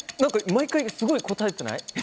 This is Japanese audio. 毎回すごい答えてない？